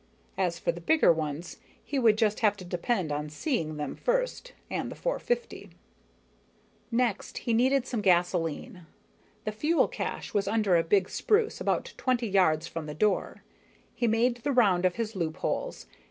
As for the bigger ones, he would just have to depend on seeing them first, and the .450. Next, he needed some gasoline. The fuel cache was under a big spruce, about twenty yards from the door. He made the round of his loopholes.